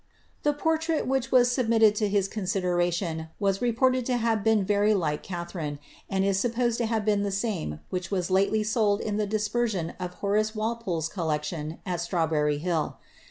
The portrait which was submitted to his consideration was repcvtad to be very like Catharine, and is supposed to have been the aame wtich was lately sold at the dispersion of Horace Walpole's collection it Strawberry Hill.